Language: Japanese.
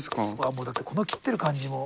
もうだってこの切ってる感じも。